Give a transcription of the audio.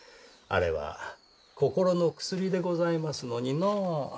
あれは心の薬でございますのにのう。